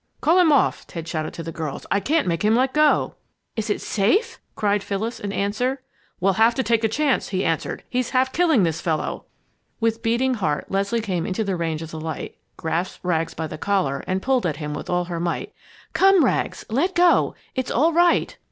"Call him off!" Ted shouted to the girls, "I can't make him let go!" "Is it safe?" cried Phyllis, in answer. "We'll have to take a chance!" he answered. "He's half killing this fellow!" With beating heart Leslie came into the range of the light, grasped Rags by the collar and pulled at him with all her might. "Come Rags! Let go! It's all right!"